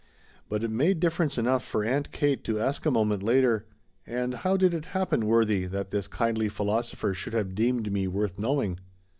But it made difference enough for Aunt Kate to ask a moment later: "And how did it happen, Worthie, that this kindly philosopher should have deemed me worth knowing?"